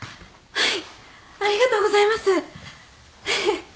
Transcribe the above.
はい。